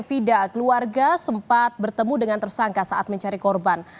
fida keluarga sempat bertemu dengan tersangka saat mencari korban